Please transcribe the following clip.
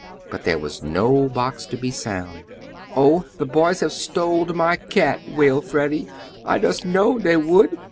But there was no box to be found. "Oh, the boys have stoled my cat!" wailed Freddie. "I dust knowed they would!"